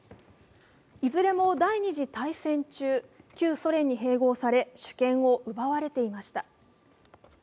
いずれも第二次大戦中、旧ソ連に併合され、主権を奪われていました。